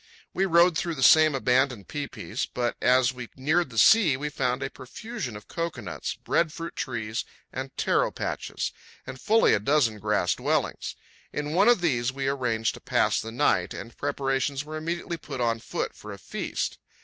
We rode through the same abandoned pae paes, but as we neared the sea we found a profusion of cocoanuts, breadfruit trees and taro patches, and fully a dozen grass dwellings. In one of these we arranged to pass the night, and preparations were immediately put on foot for a feast.